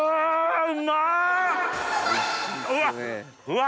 うわ！